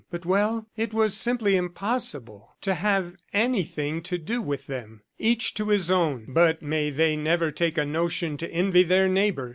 .. but, well ... it was simply impossible to have anything to do with them. Each to his own, but may they never take a notion to envy their neighbor!